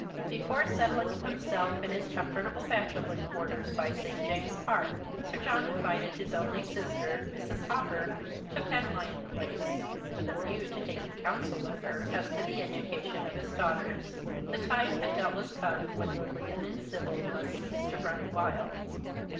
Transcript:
Before settling himself in his comfortable bachelor The Christmas Hirelings. 55 quarters by St. James's Park, Sir .Tuhn invited his only sister, Mrs. Hawberk, to Penlyon Place, with a view to taking counsel with her as to the education of his dauofhters. The time had doubtless come when Lilian and Sibyl must cease to run wild.